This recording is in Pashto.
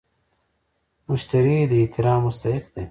مشتري د احترام مستحق دی.